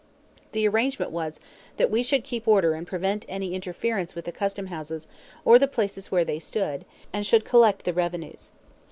The arrangement was that we should keep order and prevent any interference with the custom houses or the places where they stood, and should collect the revenues.